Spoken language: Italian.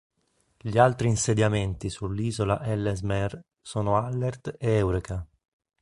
Gli altri insediamenti sull'Isola Ellesmere sono Alert e Eureka.